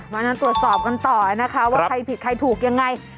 งั้นตรวจสอบกันต่อนะคะว่าใครผิดใครถูกยังไง